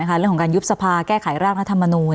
เรื่องของการยุบสภาแก้ไขร่างรัฐมนูล